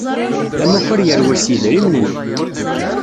Amakar yerwel s yidrimen-nni.